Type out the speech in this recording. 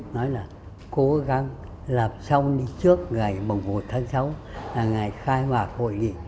nói là cố gắng làm xong đi trước ngày một tháng sáu là ngày khai mạc hội nghị